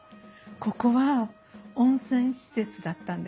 ここは温泉施設だったんです。